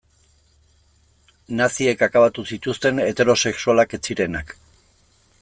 Naziek akabatu zituzten heterosexualak ez zirenak.